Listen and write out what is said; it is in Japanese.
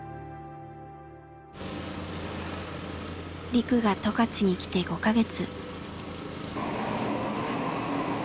リクが十勝に来て５か月。